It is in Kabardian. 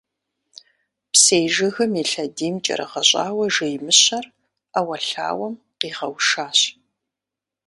Псей жыгым и лъэдийм кӀэрыгъэщӀауэ жей Мыщэр ӏэуэлъауэм къигъэушащ.